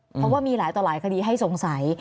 เพราะว่ามีหลายต่อหลายคดีให้สงสัย